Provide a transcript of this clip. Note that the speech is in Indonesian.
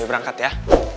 boy berangkat ya